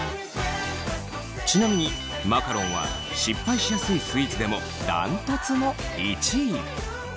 ちなみにマカロンは失敗しやすいスイーツでもダントツの１位。